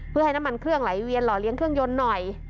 เพื่อให้น้ำมันเครื่องไหลเวียนหล่อเลี้ยงเครื่องยนต์หน่อย